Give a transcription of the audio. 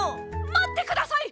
まってください！